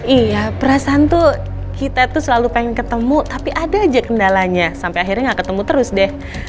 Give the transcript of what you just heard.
iya perasaan tuh kita tuh selalu pengen ketemu tapi ada aja kendalanya sampai akhirnya gak ketemu terus deh